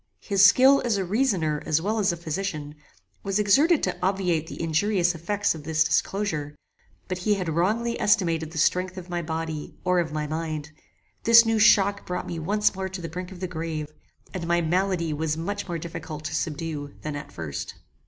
His skill as a reasoner as well as a physician, was exerted to obviate the injurious effects of this disclosure; but he had wrongly estimated the strength of my body or of my mind. This new shock brought me once more to the brink of the grave, and my malady was much more difficult to subdue than at first.